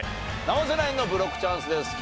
生瀬ナインのブロックチャンスです。